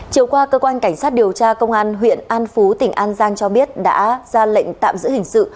chiều qua cơ quan cảnh sát điều tra công an huyện an phú tỉnh an giang cho biết đã ra lệnh tạm giữ hình sự